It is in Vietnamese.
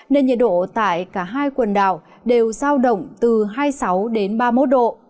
nên nhiệt độ tại cả hai quần đảo đều sao động từ hai mươi sáu ba mươi một độ